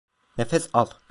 Nefes al.